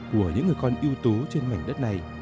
của những người con yêu tú trên mảnh đất này